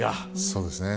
そうですね。